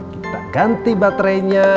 kita ganti baterainya